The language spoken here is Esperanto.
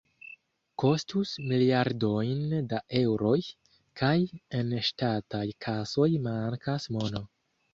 Kostus miliardojn da eŭroj, kaj en ŝtataj kasoj mankas mono.